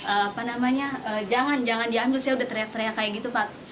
apa namanya jangan jangan dia ambil saya sudah teriak teriak kayak gitu pak